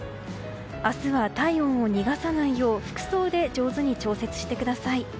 明日は、体温を逃がさないよう服装で上手に調節してください。